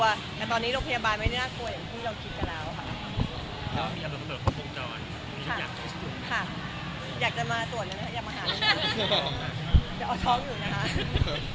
อยากจะมาตรวจภพโตจาวยังไง